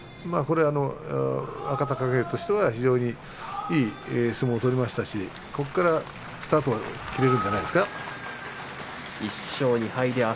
若隆景としては非常にいい相撲を取りましたしここからスタートが切れるんじゃないですかね。